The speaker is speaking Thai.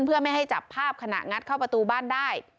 เพื่อไม่ให้จับภาพขณะงัดเข้าประตูบ้านได้